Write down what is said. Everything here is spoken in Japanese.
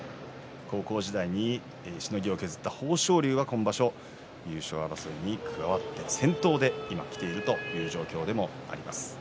高校時代にしのぎを削った豊昇龍は今場所優勝争いに加わって先頭で今きているという状況でもあります。